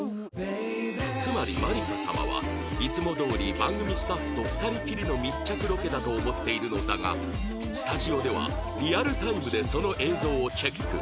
つまりまりか様はいつもどおり番組スタッフと２人きりの密着ロケだと思っているのだがスタジオではリアルタイムでその映像をチェック